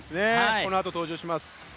このあと登場します。